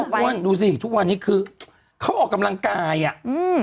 อ้วนดูสิทุกวันนี้คือเขาออกกำลังกายอ่ะอืม